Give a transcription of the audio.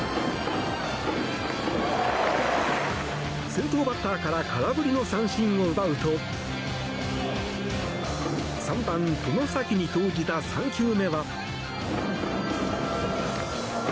先頭バッターから空振りの三振を奪うと３番、外崎に投じた３球目は。